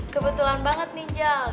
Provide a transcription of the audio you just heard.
kebetulan banget ninjal